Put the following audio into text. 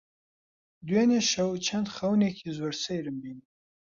دوێنێ شەو چەند خەونێکی زۆر سەیرم بینی.